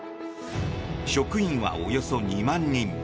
職員はおよそ２万人。